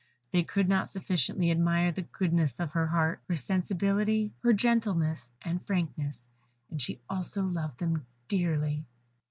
They could not sufficiently admire the goodness of her heart, her sensibility, her gentleness, and frankness; and she also loved them dearly.